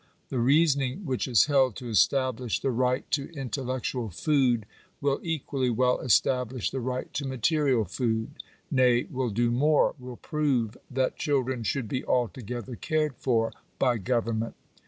The reasoning which is held to establish the right to intellectual food, will equally well establish the right to material food : nay, will do more — will prove that chil dren should be altogether cared for by government.